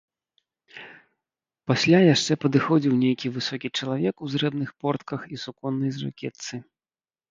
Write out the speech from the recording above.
Пасля яшчэ падыходзіў нейкі высокі чалавек у зрэбных портках і суконнай жакетцы.